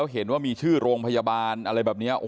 เห็นว่ามีชื่อโรงพยาบาลอะไรแบบนี้